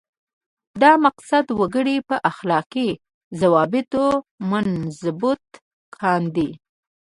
دا مقصد وګړي په اخلاقي ضوابطو منضبط کاندي.